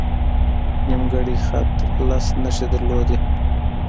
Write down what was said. نیمګړی خط لس نښې درلودې.